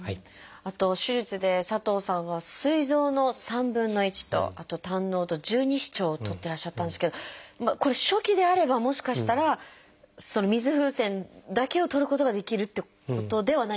あと手術で佐藤さんはすい臓の３分の１とあと胆のうと十二指腸を取ってらっしゃったんですけどこれ初期であればもしかしたらその水風船だけを取ることができるってことではないんですか？